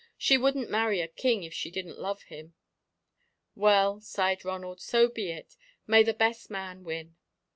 She wouldn't marry a king if she didn't love him." "Well," sighed Ronald, "so be it. May the best man win!"